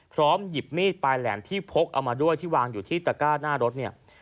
หยิบมีดปลายแหลมที่พกเอามาด้วยที่วางอยู่ที่ตะก้าหน้ารถเนี่ย